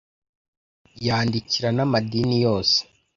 yandikira n amadini yose